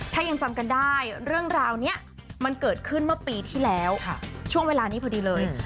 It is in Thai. ถ้ายังจำกันได้เรื่องราวนี้มันเกิดขึ้นเมื่อปีที่แล้วช่วงเวลานี้พอดีเลย